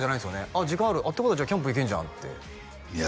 あっ時間あるってことはキャンプ行けるじゃんっていや